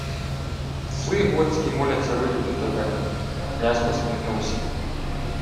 — Сли готські моляться видіти тебе. Князь посміхнувсь: